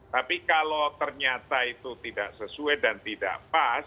tapi kalau ternyata itu tidak sesuai dan tidak pas